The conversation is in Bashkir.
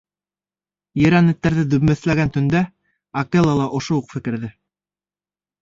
— Ерән эттәрҙе дөмбәҫләгән төндә Акела ла ошо уҡ фекерҙе...